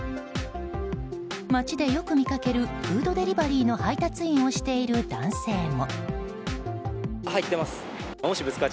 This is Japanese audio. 街でよく見かけるフードデリバリーの配達員をしている男性も。